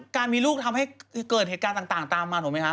การมีลูกทำให้เกิดเหตุการณ์ต่างตามมาถูกไหมคะ